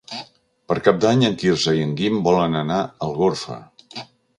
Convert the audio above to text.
Per Cap d'Any en Quirze i en Guim volen anar a Algorfa.